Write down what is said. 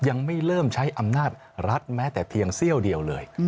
ยังไม่เริ่มใช้อำนาจรัฐแม้แต่เพียงเสี้ยวเดียวเลย